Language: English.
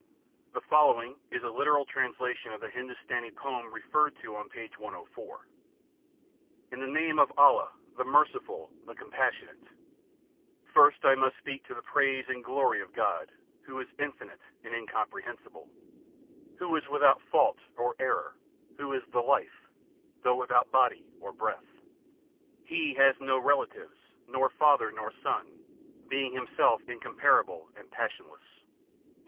The following, is a literal translation of the Hindustani poem referred to on p. 104: IN THE NAME OF ALLAH, THE MERCIFUL, THE COMPASSIONATE: First must I speak to the praise and glory of God, who is infinite and incomprehensible, Who is without fault or error, who is the Life, though without body or breath. He has no relatives, nor father nor son, being himself incomparable and passionless.